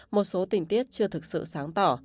một số tình tiết chưa thực sự sáng tỏ